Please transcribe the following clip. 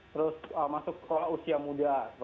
terus masuk sekolah usia muda